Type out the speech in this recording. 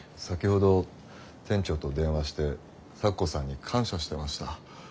先ほど店長と電話して咲子さんに感謝してました。